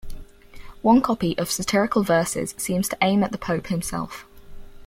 One copy of satirical verses seems to aim at the pope himself.